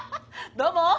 どうも！